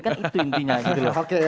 kan itu intinya